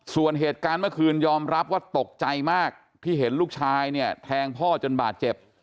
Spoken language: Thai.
ส่วนเหตุการณ์เมื่อคืนยอมรับว่าตกใจมากที่เห็นลูกชายเนี่ยแทงพ่อจนบาดเจ็บ